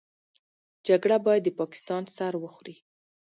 جګړه بايد د پاکستان سر وخوري.